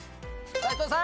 斎藤さん